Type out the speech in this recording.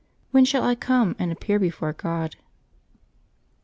When shall I come and appear before God?"